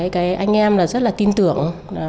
cái anh em là rất là tin tưởng